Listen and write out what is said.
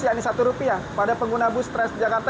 yakni rp satu pada pengguna bus transjakarta